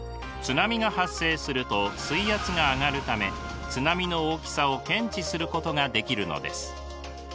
津波が発生すると水圧が上がるため津波の大きさを検知することができるのです。